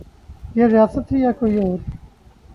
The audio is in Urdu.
یہ ریاست تھی یا کوئی اور؟